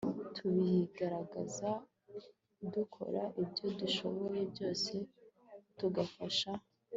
tubigaragaza dukora ibyo dushoboye byose tugafasha